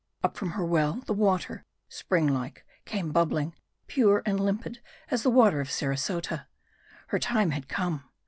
Up from her well, the water, spring like, came bubbling, pure and limpid as the water of Saratoga. Her time had come.